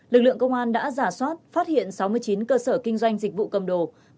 lực lượng công an đã giả soát phát hiện sáu mươi chín cơ sở kinh doanh dịch vụ cầm đồ